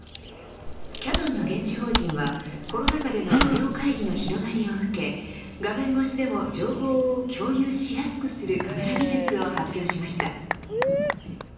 キヤノンの現地法人はコロナ禍でのビデオ会議の広がりを受け画面越しでも情報を共有しやすくするカメラ技術を発表しました。